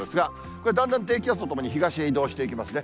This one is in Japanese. これ、だんだん低気圧と共に東へ移動していきますね。